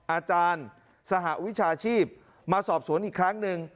อาจารย์สหวิชาชีพมาสอบสวนอีกครั้งหนึ่ง